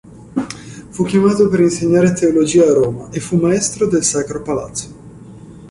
Fu chiamato per insegnare teologia a Roma e fu maestro del Sacro Palazzo.